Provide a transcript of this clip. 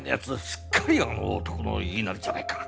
すっかりあの男の言いなりじゃないか。